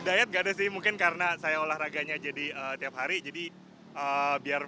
diet nggak ada sih mungkin karena saya olahraganya jadi tiap hari jadi biar